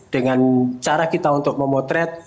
dengan cara kita untuk memotret